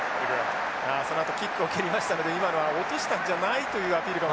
そのあとキックを蹴りましたので今のは落としたんじゃないというアピールかもしれませんが。